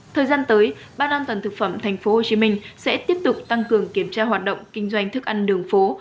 thời gian tới bán an toàn thực phẩm thành phố hồ chí minh sẽ tiếp tục tăng cường kiểm tra hoạt động kinh doanh thức ăn đường phố